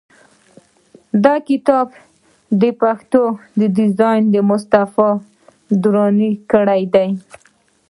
د کتاب د پښتۍ ډیزاین مصطفی دراني کړی دی.